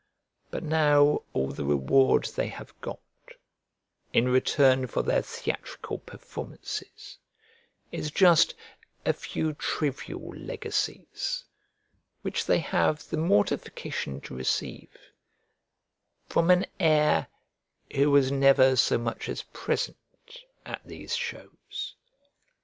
But now all the reward they have got, in return for their theatrical performances, is just a few trivial legacies, which they have the mortification to receive from an heir who was never so much as present at these shows.